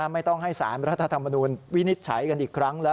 ไม่ต้องให้สารรัฐธรรมนูลวินิจฉัยกันอีกครั้งแล้ว